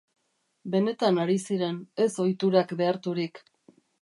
Benetan ari ziren, ez ohiturak beharturik.